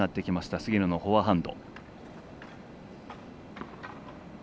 菅野のフォアハンド。